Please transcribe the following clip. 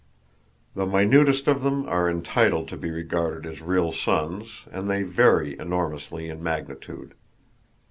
The minutest of them are entitled to be regarded as real suns, and they vary enormously in magnitude.